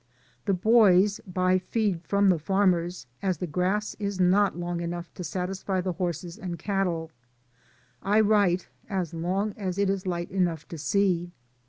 The boys buy feed from the farmers, as the grass is not long enough to satisfy the horses and cattle. I write as long as it is light enough to see.